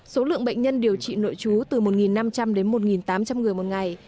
số lượng bệnh nhân điều trị nội trú từ một năm trăm linh đến một tám trăm linh người một ngày